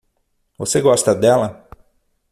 Você gosta dela?